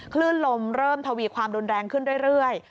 คลื่นลมเริ่มทวีความรุนแรงขึ้นเรื่อย